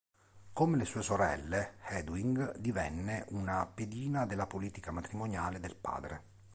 Come le sue sorelle, Hedwig divenne una pedina della politica matrimoniale del padre.